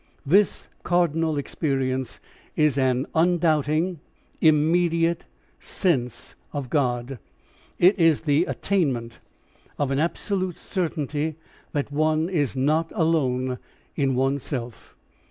This cardinal experience is an undoubting, immediate sense of God. It is the attainment of an absolute certainty that one is not alone in oneself.